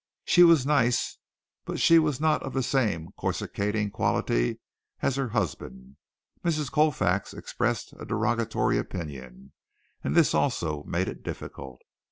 She was nice, but not of the same coruscating quality as her husband. Mrs. Colfax expressed a derogatory opinion, and this also made it difficult.